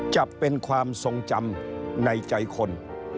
จะเป็นความทรงจำในใจคน